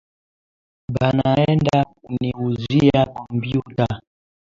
Banaenda kuniuzia kompiuta